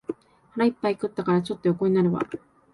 腹いっぱい食ったから、ちょっと横になるわ